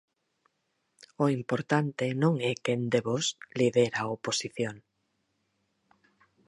O importante non é quen de vós lidera a oposición.